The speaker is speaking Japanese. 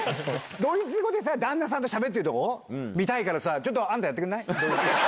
ドイツ語でさ、旦那さんとしゃべってるとこ見たいからさ、ちょっとあんたやってくんない？